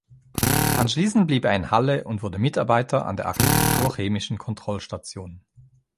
Anschließend blieb er in Halle und wurde Mitarbeiter an der Agrikulturchemischen Kontrollstation.